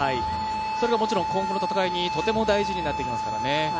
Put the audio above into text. それがもちろん今後の戦いにとても大事になってきますからね。